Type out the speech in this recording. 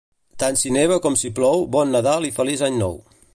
Tant si neva com si plou Bon Nadal i Feliç Any Nou